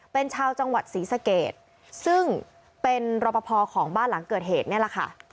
เป็นชาวจังหวัดศรีสเกตซึ่งเป็นรอปภของบ้านหลังเกิดเหตุนี่แหละค่ะ